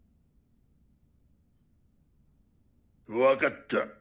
わかった。